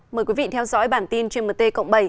mời quý vị theo dõi bản tin gmt cộng bảy